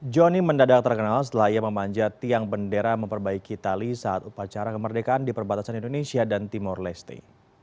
johnny mendadak terkenal setelah ia memanjat tiang bendera memperbaiki tali saat upacara kemerdekaan di perbatasan indonesia dan timur leste